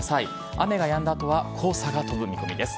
雨がやんだ後は黄砂が飛ぶ見込みです。